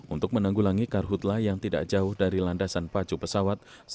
untuk menanggulangi karhutlah yang tidak jauh dari landasan pacu pesawat